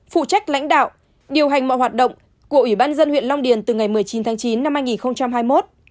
phụ trách lãnh đạo điều hành mọi hoạt động của ủy ban dân huyện long điền từ ngày một mươi chín tháng chín năm hai nghìn hai mươi một